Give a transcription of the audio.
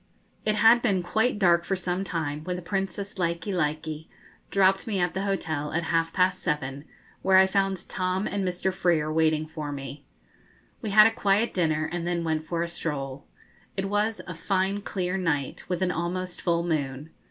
It had been quite dark for some time, when the Princess Likelike dropped me at the hotel at half past seven, where I found Tom and Mr. Freer waiting for me. We had a quiet dinner, and then went for a stroll. It was a fine clear night, with an almost full moon.